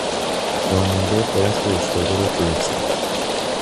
راننده درخت افتاده را دور زد.